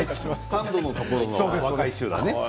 サンドのところの若い衆だね。